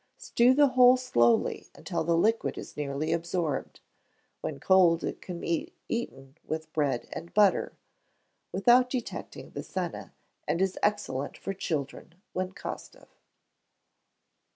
Stew the whole slowly until the liquid is nearly absorbed. When cold it can be eaten with bread and butter, without detecting the senna, and is excellent for children when costive.